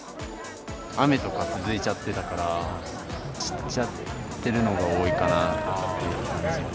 雨とか続いちゃってたから、散っちゃってるのが多いかなっていう感じがします。